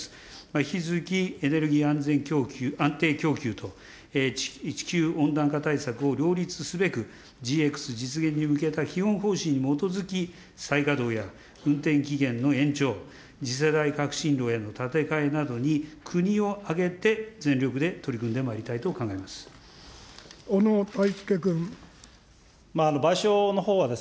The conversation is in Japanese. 引き続きエネルギー安全供給、安定供給と地球温暖化対策を両立すべく、ＧＸ実現に向けた基本方針に基づき、再稼働や運転期限の延長、次世代革新炉への建て替えなどに、国を挙げて全力で取り組んでまいりたいと考えます。